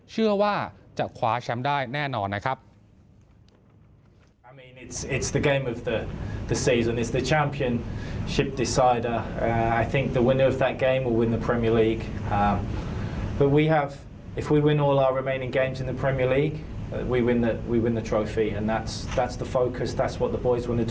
เชื่อว่าจะคว้าแชมป์ได้แน่นอนนะครับ